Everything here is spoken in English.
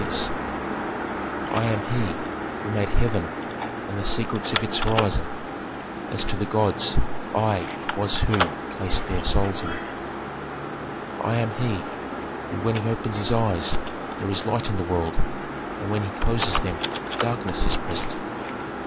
Chorus I. "I am He who made heaven and the secrets of its horizon; as to the gods I it was who placed their souls in them." Chorus II. "I am He who when he opens his eyes there is light in the world and when he closes them darkness is present."